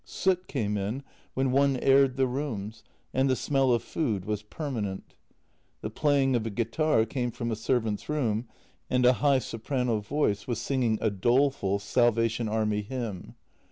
Soot came in when one aired the rooms, and the smell of food was permanent. The playing of a guitar came from a servant's room, and a high soprano voice was singing a dole ful Salvation Army hymn.